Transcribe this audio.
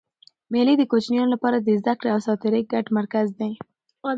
مېلې د کوچنيانو له پاره د زدهکړي او ساتېري ګډ مرکز دئ.